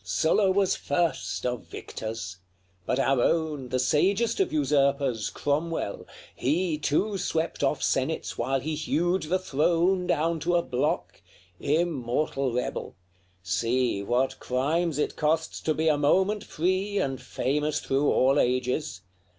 LXXXV. Sylla was first of victors; but our own, The sagest of usurpers, Cromwell! he Too swept off senates while he hewed the throne Down to a block immortal rebel! See What crimes it costs to be a moment free And famous through all ages!